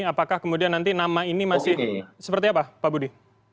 apakah nanti nama ini seperti apa pak budi